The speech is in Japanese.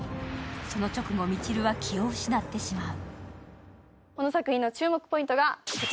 その直後、みちるは気を失ってしまう。